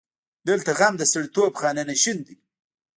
دلته غم د سړیتوب خانه نشین دی.